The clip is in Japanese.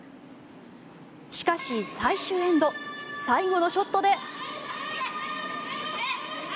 しかし、最終エンド最後のショットで。